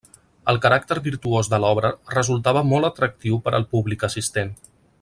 El caràcter virtuós de l’obra resultava molt atractiu per al públic assistent.